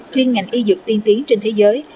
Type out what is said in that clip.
chuyên ngành y dược tiên tiến trên thế giới